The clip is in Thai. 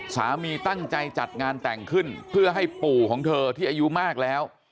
สามีตั้งใจจัดงานแต่งขึ้นเพื่อให้ปู่ของเธอที่อายุมากแล้ว